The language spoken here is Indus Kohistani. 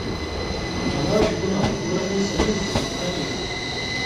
”ملاݜیۡ گِنہۡ ہو اُو لہ مِیں سزُوئ تھی گِلتہ نہ ای تھی“